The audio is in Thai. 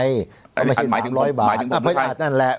ก็ไม่ใช่สามร้อยบาท